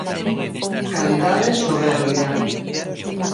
Calidade soberbia.